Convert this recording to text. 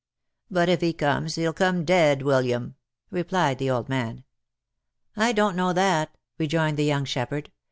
" But if he comes, he'll come dead, William !" replied the old man. " I don't know that," rejoined the young shepherd."